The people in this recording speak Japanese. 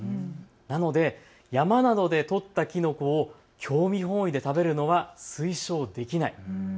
なので山などで採ったきのこを興味本位で食べるのは推奨できない。